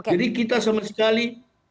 jadi kita sama sekali